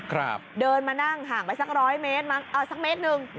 ครับเดินมานั่งห่างไปสัก๑๐๐เมตรสักเมตรนึง